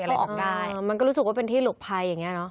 อะไรออกได้มันก็รู้สึกว่าเป็นที่หลบภัยอย่างเงี้เนอ